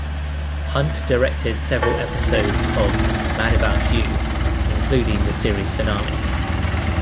Hunt directed several episodes of "Mad About You", including the series finale.